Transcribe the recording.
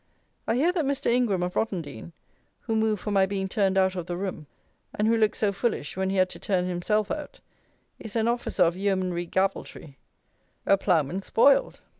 I hear that Mr. Ingram of Rottendean, who moved for my being turned out of the room, and who looked so foolish when he had to turn himself out, is an Officer of Yeomanry "Gavaltry." A ploughman spoiled!